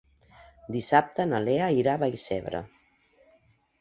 Dissabte na Lea irà a Vallcebre.